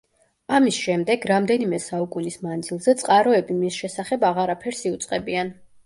ამის შემდეგ, რამდენიმე საუკუნის მანძილზე, წყაროები მის შესახებ აღარაფერს იუწყებიან.